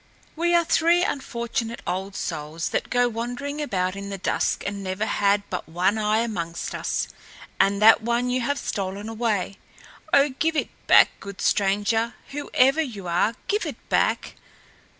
We are three unfortunate old souls that go wandering about in the dusk and never had but one eye amongst us, and that one you have stolen away. Oh, give it back, good stranger! whoever you are, give it back!"